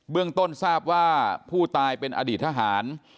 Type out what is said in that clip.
เรื่องต้นทราบว่าผู้ตายเป็นอดีตทหาร